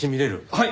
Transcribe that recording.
はい。